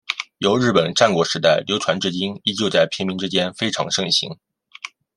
由日本战国时代流传至今依旧在平民之间非常盛行。